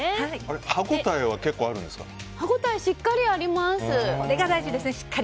歯応えはあるんですか？